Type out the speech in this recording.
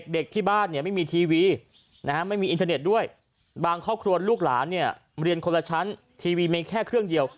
เด็กที่บ้านเนี่ยไม่มีทีวีไม่มีอินเทอร์เน็ตด้วยบางครอบครัวลูกหลานเนี่ยเรียนคนละชั้นทีวีมีแค่เครื่องเดียว